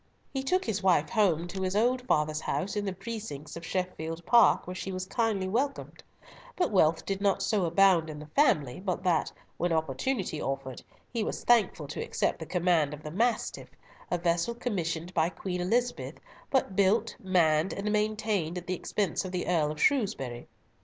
He took his wife home to his old father's house in the precincts of Sheffield Park, where she was kindly welcomed; but wealth did not so abound in the family but that, when opportunity offered, he was thankful to accept the command of the Mastiff, a vessel commissioned by Queen Elizabeth, but built, manned, and maintained at the expense of the Earl of Shrewsbury.